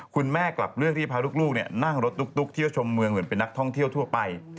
คุณแม่กลับเลือกที่พาลูกนั่งรถตุ๊กเที่ยวชมเมืองเหมือนเป็นนักท่องเที่ยวทั่วไป